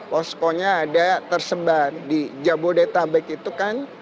poskonya ada tersebar di jabodetabek itu kan